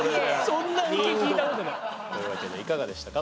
そんな受け聞いたことない。というわけでいかがでしたか？